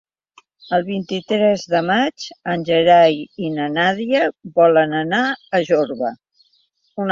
El vint-i-tres de maig en Gerai i na Nàdia volen anar a Jorba.